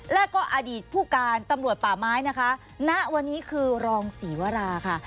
แล้วก็อดีตผู้การตำรวจป่าไม้นะคะณวันนี้คือรองศรีวราค่ะ